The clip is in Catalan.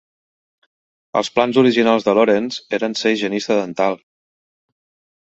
Els plans originals de Lawrence eren ser higienista dental.